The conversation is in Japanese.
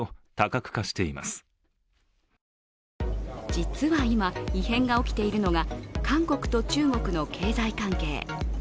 実は今、異変が起きているのが韓国と中国の経済関係。